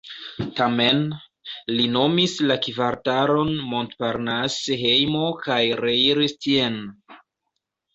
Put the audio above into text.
Tamen, li nomis la kvartalon Montparnasse hejmo kaj reiris tien.